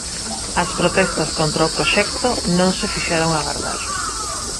As protestas contra o proxecto non se fixeron agardar.